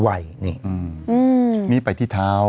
นี่อืมนี่ไปที่ท้าว